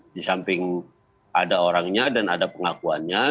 di samping ada orangnya dan ada pengakuannya